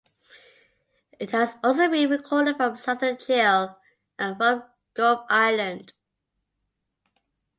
It has also been recorded from southern Chile and from Gough Island.